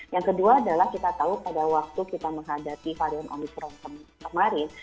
yang kedua adalah kita tahu pada waktu kita menghadapi varian omikron kemarin